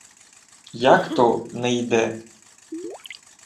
— Як то «не йде»?